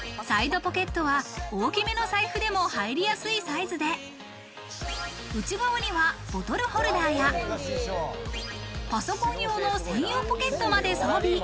サイドポケットは大きめのお財布でも入りやすいサイズで、内側にはボトルホルダーやパソコン用の専用ポケットまで装備。